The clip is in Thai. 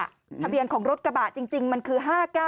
ทะเบียนของรถกระบะจริงมันคือ๕๙